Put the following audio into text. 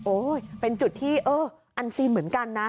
โอ๊ยเป็นจุดที่อันซีนเหมือนกันนะ